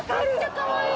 かわいい。